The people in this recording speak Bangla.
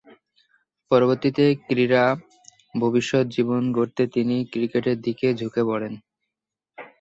পরবর্তীতে ক্রীড়া ভবিষ্যৎ জীবন গড়তে তিনি ক্রিকেটের দিকে ঝুঁকে পড়েন।